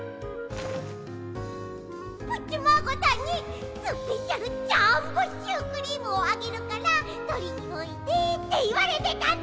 プッチマーゴさんに「スペシャルジャンボシュークリームをあげるからとりにおいで」っていわれてたんだった！